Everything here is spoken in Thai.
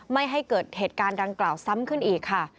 ไม่ให้เกิดเหตุการณ์ดังกล่าวซ้ำขึ้นอีกค่ะ